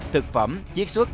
thực phẩm chiếc xuất